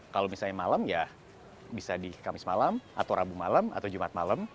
kalau misalnya malam ya bisa di kamis malam atau rabu malam atau jumat malam